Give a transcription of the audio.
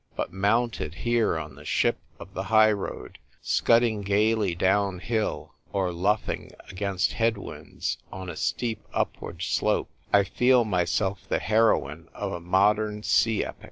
But mounted here on the ship of the high road, scudding gaily down hill, or luffing against head winds on a steep upward slope, I feel myself the heroine of a modern sea epic.